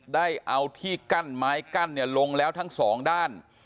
ได้เอาที่กั้นไม้กั้นลงแล้วทั้งสองด้าน